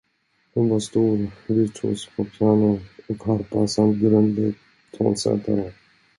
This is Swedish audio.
Han var stor virtuos på piano och harpa samt grundlig tonsättare.